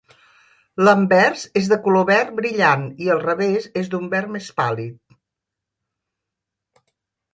L'anvers és de color verd brillant, i el revers és d'un verd més pàl·lid.